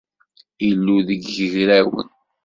Illu deg yigrawen.